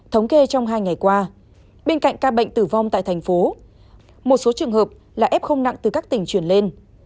thống kê trong hai ngày qua bên cạnh ca bệnh tử vong tại thành phố một số trường hợp là f nặng từ các tỉnh chuyển lên